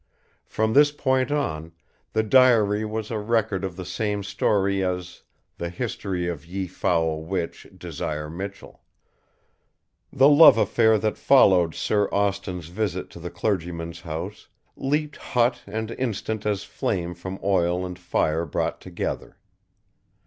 From this point on, the diary was a record of the same story as the "History of Ye foule Witch, Desire Michell." The love affair that followed Sir Austin's visit to the clergyman's house leaped hot and instant as flame from oil and fire brought together.